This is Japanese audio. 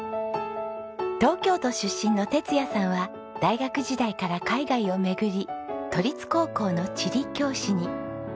東京都出身の哲也さんは大学時代から海外を巡り都立高校の地理教師に。